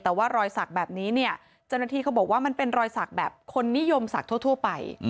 แต่ว่ารอยสักแบบนี้เนี่ยเจ้าหน้าที่เขาบอกว่ามันเป็นรอยสักแบบคนนิยมศักดิ์ทั่วไป